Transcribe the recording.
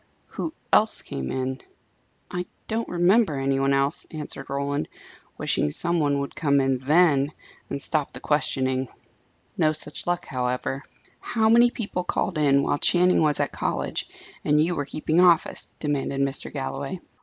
"Who else came in?" "I don't remember any one else," answered Roland, wishing some one would come in then, and stop the questioning. No such luck, however. "How many people called in, while Channing was at college, and you were keeping office?" demanded Mr. Galloway.